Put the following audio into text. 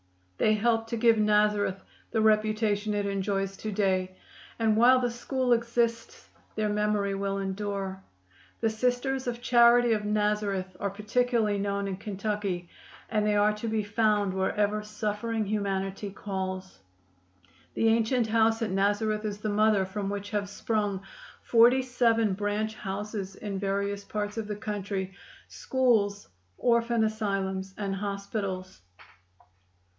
They helped to give Nazareth the reputation it enjoys to day, and while the school exists their memory will endure. The Sisters of Charity of Nazareth are particularly known in Kentucky, and they are to be found wherever suffering humanity calls. The ancient house at Nazareth is the mother from which have sprung forty seven branch houses in various parts of the country schools, orphan asylums and hospitals.